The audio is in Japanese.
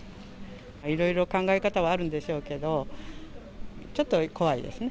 いろいろ考え方はあるんでしょうけど、ちょっと怖いですね。